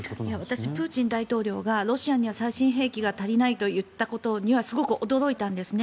私、プーチン大統領がロシアには最新兵器が足りないと言ったことにはすごく驚いたんですね。